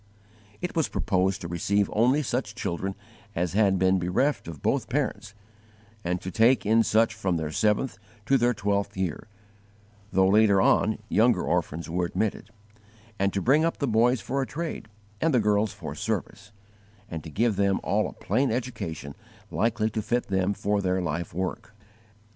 It was proposed to receive only such children as had been bereft of both parents, and to take in such from their seventh to their twelfth year, though later on younger orphans were admitted; and to bring up the boys for a trade, and the girls for service, and to give them all a plain education likely to fit them for their life work.